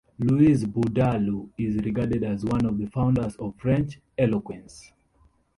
Louis Bourdaloue is regarded as one of the founders of French eloquence.